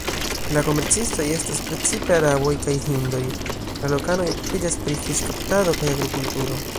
La komercistoj estas precipe araboj kaj hindoj; la lokanoj okupiĝas pri fiŝkaptado kaj agrokulturo.